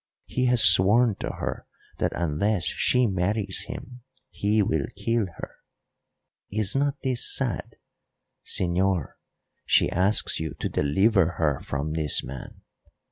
He has sworn to her that unless she marries him he will kill her. Is not this sad? Señor, she asks you to deliver her from this man.